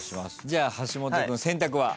じゃあ橋本君選択は？